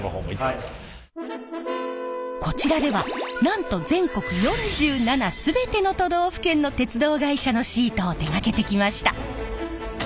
こちらではなんと全国４７全ての都道府県の鉄道会社のシートを手がけてきました。